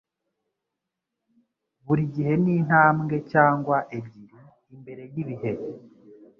Buri gihe ni intambwe cyangwa ebyiri imbere yibihe.